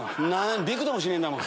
ビクともしねえんだもん。